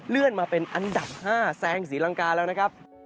เลื่อนมาเป็นอันดับห้าแซงสีลังกาแล้วนะครับ